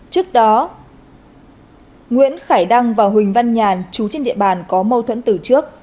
trước đó nguyễn khải đăng và huỳnh văn nhàn chú trên địa bàn có mâu thuẫn từ trước